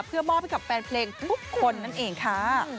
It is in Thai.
เพื่อมอบให้กับแฟนเพลงทุกคนนั่นเองค่ะ